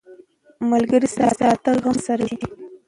ملګری ستا غم درسره ویشي.